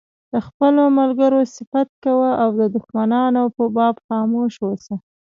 د خپلو ملګرو صفت کوه او د دښمنانو په باب خاموش اوسه.